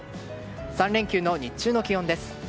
３連休の日中の気温です。